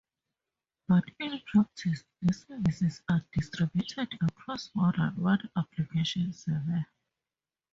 But in practice, the services are distributed across more than one application server.